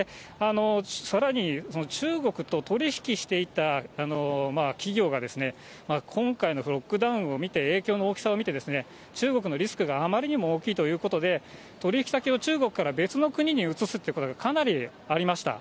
さらに中国と取り引きしていた企業が、今回のロックダウンを見て、影響の大きさを見て、中国のリスクがあまりにも大きいということで、取り引き先を中国から別の国に移すってことがかなりありました。